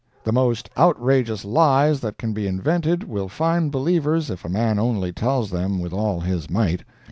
The most outrageous lies that can be invented will find believers if a man only tells them with all his might.